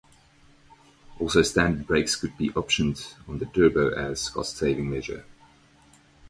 Also, standard brakes could be optioned on the turbo as a cost-saving measure.